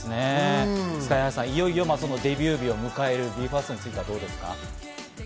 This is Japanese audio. いよいよデビュー日を迎えるＢＥ：ＦＩＲＳＴについてはいかがですか？